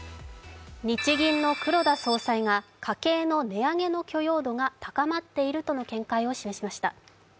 日銀の黒田総裁が家計の値上げの関心が高まっていると見解を示しました。